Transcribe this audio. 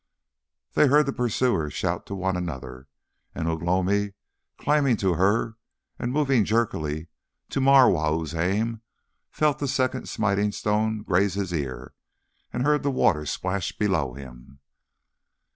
They heard the pursuers shout to one another, and Ugh lomi climbing to her and moving jerkily to mar Wau's aim, felt the second smiting stone graze his ear, and heard the water splash below him.